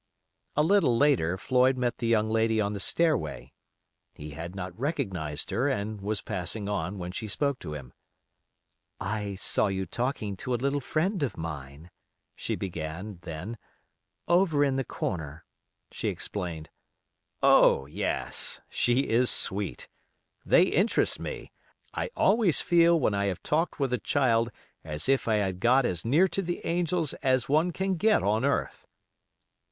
A little later Floyd met the young lady on the stairway. He had not recognized her, and was passing on, when she spoke to him. "I saw you talking to a little friend of mine," she began, then—"Over in the corner," she explained. "Oh! yes. She is sweet. They interest me. I always feel when I have talked with a child as if I had got as near to the angels as one can get on earth."